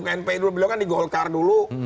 np dulu beliau kan di golkar dulu